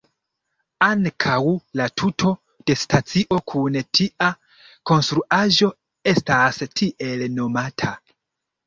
Ankaŭ la tuto de stacio kun tia konstruaĵo estas tiel nomata.